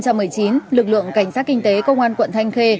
lực lượng cảnh sát kinh tế công an quận thanh khê